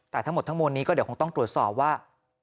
แต่ทั้งหมดทั้งมวลนี้ก็เดี๋ยวคงต้องตรวจสอบว่า